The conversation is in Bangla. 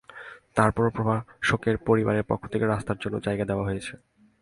তার পরও প্রভাষকের পরিবারের পক্ষ থেকে রাস্তার জন্য জায়গা দেওয়া হয়েছে।